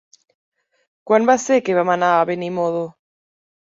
Quan va ser que vam anar a Benimodo?